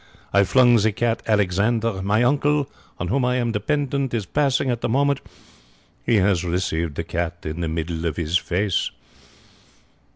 I flung the cat Alexander. My uncle, on whom I am dependent, is passing at the moment. He has received the cat in the middle of his face.